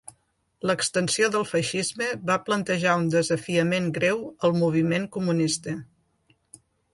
L'extensió del feixisme va plantejar un desafiament greu al moviment comunista.